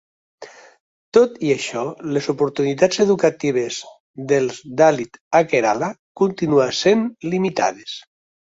Tot i això, les oportunitats educatives dels dalit a Kerala continuen sent limitades.